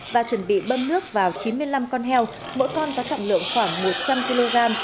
và chuẩn bị bơm nước vào chín mươi năm con heo mỗi con có trọng lượng khoảng một trăm linh kg